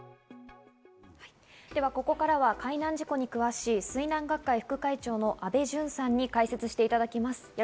ここからは海難事故に詳しい水難学会副会長の安倍淳さんに解説していただきます。